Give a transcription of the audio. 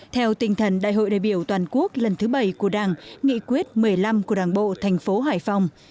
theo tinh thần đại hội đại biểu toàn quốc lần thứ bảy của đảng nghị quyết một mươi năm của đảng bộ thành phố hải phòng